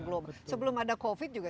belum sebelum ada covid juga